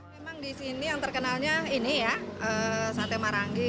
memang di sini yang terkenalnya ini ya sate marangi